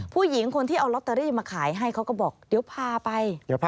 ผู้หญิงคนที่เอาลอตเตอรี่มาขายให้เขาก็บอกเดี๋ยวพาไป